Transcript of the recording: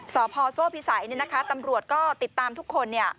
สพโซ่พิสัยตำรวจก็ติดตามทุกคน